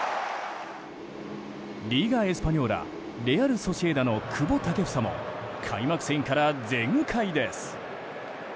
リーガ・エスパニョーラレアル・ソシエダの久保建英も開幕戦から全開です。